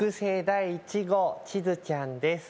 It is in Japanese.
第１号チヅちゃんです